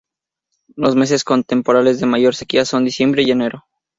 Los meses con temporales de mayor sequía son diciembre y enero.